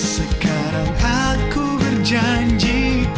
sekarang aku berjanji